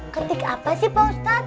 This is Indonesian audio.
ketik apa sih pak ustadz